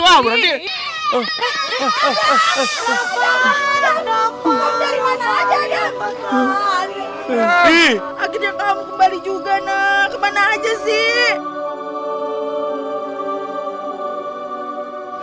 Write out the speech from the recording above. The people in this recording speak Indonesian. akhirnya kamu kembali juga nah kemana aja sih